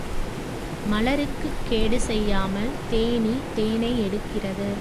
மலருக்குக் கேடு செய்யாமல், தேனி தேனை எடுக்கிறது.